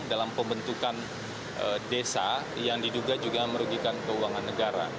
dalam pembentukan desa yang diduga juga merugikan keuangan negara